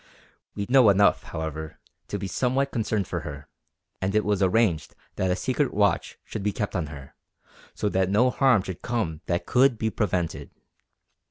We know enough, however, to be somewhat concerned for her; and it was arranged that a secret watch should be kept on her, so that no harm should come that could be prevented.